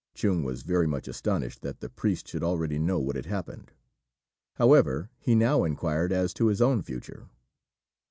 Chung was very much astonished that the priest should already know what had happened; however, he now inquired as to his own future.